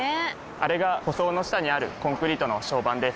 あれが舗装の下にあるコンクリートの床版です。